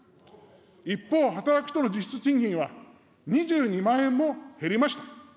一方、働く人の実質賃金は２２万円も減りました。